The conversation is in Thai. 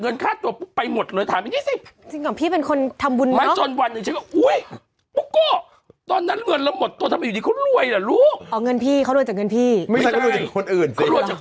เงินพี่เขารวยจากเงินพี่ไม่ใช่เขารวยจากคนอื่นสิเขารวยจากพ่อเด็กตาม